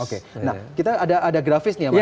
oke nah kita ada grafis nih ya mas